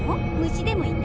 虫でもいた？